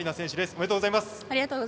ありがとうございます。